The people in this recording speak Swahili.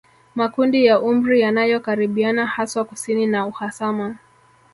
Makundi ya umri yanayokaribiana haswa kusini na uhasama